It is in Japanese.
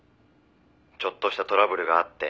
「ちょっとしたトラブルがあって」